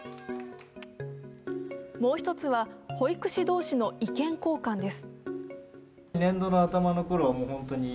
もう１つは保育士同士の意見交換です。